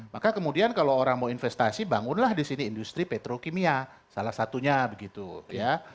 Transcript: maka kemudian kalau orang mau investasi bangunlah di sini industri petrokimia salah satunya begitu ya